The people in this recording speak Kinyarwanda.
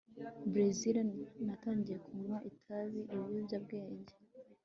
Bresil Natangiye kunywa itabi ibiyobyabwenge